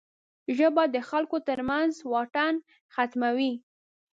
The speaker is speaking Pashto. ژبه د خلکو ترمنځ واټن ختموي